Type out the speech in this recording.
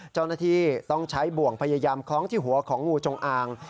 เจ้าหน้าที่ต้องใช้บ่วงพยายามคล้องที่หัวของงูจงอาง